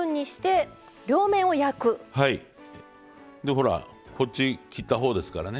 ほらこっち切ったほうですからね